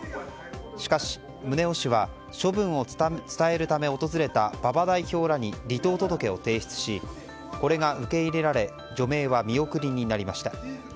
しかし、宗男氏は処分を伝えるため訪れた馬場代表らに離党届を提出しこれが受け入れられ除名は見送りになりました。